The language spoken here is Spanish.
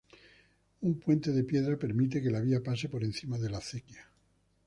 Un puente de piedra permite que la vía pase por encima de la acequia.